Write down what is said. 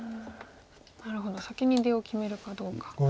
なるほど先に出を決めるかどうか。